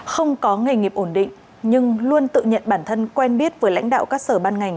không có nghề nghiệp ổn định nhưng luôn tự nhận bản thân quen biết với lãnh đạo các sở ban ngành